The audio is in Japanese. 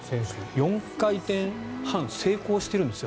４回転半、成功してるんですよ。